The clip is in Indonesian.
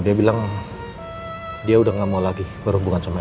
dia bilang dia udah gak mau lagi berhubungan sama